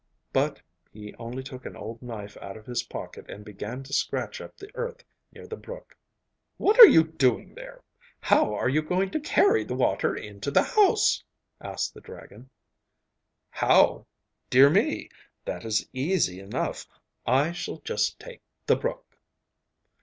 But he only took an old knife out of his pocket and began to scratch up the earth near the brook. 'What are you doing there? How are you going to carry the water into the house?' asked the dragon. 'How? Dear me, that is easy enough! I shall just take the brook!